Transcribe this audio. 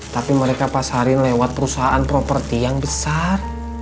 tapi mereka pasarin lewat perusahaan properti yang besar